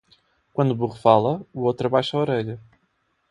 Quando um burro fala, o outro abaixa a orelha.